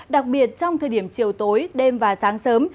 đặc biệt trong thời điểm chiều tối đêm và sáng sớm